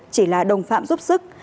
chỉ là đồng phạm giúp sức